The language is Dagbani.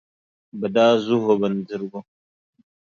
Bɛ daa zuhi o bindirigu.